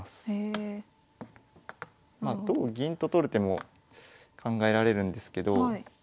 まあ同銀と取る手も考えられるんですけど。